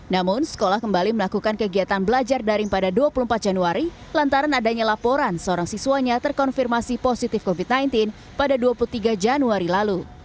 namun sekolah kembali melakukan kegiatan belajar daring pada dua puluh empat januari lantaran adanya laporan seorang siswanya terkonfirmasi positif covid sembilan belas pada dua puluh tiga januari lalu